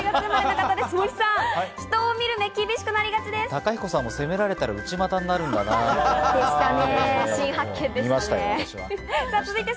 貴彦さんも責められたら内股になるんだなぁって。